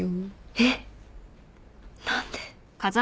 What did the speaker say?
えっ何で？